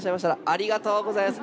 ありがとうございます。